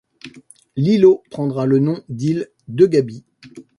L'îlot prendra le nom d'île Degaby.